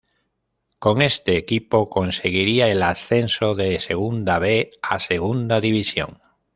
Con este equipo conseguiría el ascenso de Segunda B a Segunda División.